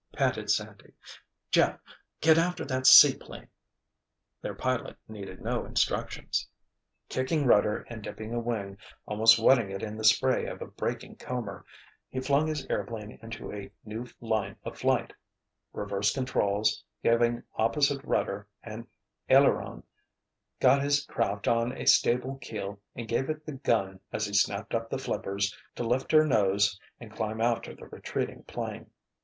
panted Sandy. "Jeff—get after that seaplane!" Their pilot needed no instructions. Kicking rudder and dipping a wing, almost wetting it in the spray of a breaking comber, he flung his airplane into a new line of flight, reversed controls, giving opposite rudder and aileron, got his craft on a stable keel and gave it the gun as he snapped up the flippers to lift her nose and climb after the retreating 'plane.